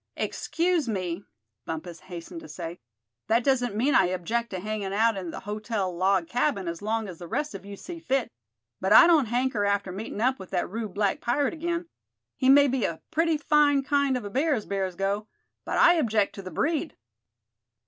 "Excuse me," Bumpus hastened to say; "that doesn't mean I object to hanging out at the Hotel Log Cabin as long as the rest of you see fit; but I don't hanker after meetin' up with that rude black pirate again. He may be a pretty fine kind of a bear, as bears go; but I object to the breed."